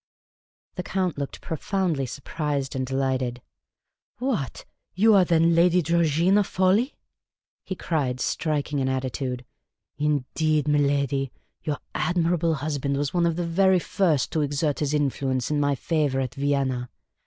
The Count looked profoundly surprised and delighted. " What ! you are then Lady Georgina Fawley !" he cried, striking an attitude. " Indeed, miladi, your admirable hus band was one of the very first to exert his influence in my favour at Vienna.